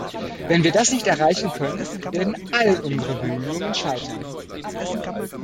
Wenn wir das nicht erreichen können, werden alle unsere Bemühungen scheitern.